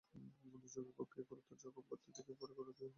দুজনকে কুপিয়ে গুরুতর জখম করতে দেখে ফরুখের আত্মীয় হনুফা এগিয়ে যান।